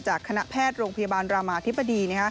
คณะแพทย์โรงพยาบาลรามาธิบดี